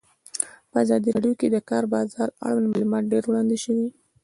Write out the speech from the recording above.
په ازادي راډیو کې د د کار بازار اړوند معلومات ډېر وړاندې شوي.